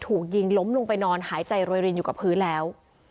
ถูกยิงล้มลงไปนอนหายใจโรยรินอยู่กับพื้นแล้ว